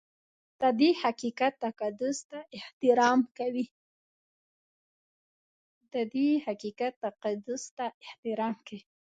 د دې حقیقت تقدس ته احترام کوي.